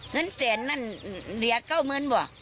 เงินเศษนั้นเหลียกเก้าเม้นบอก